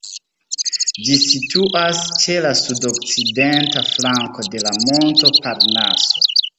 Ĝi situas ĉe la sud-okcidenta flanko de la monto Parnaso.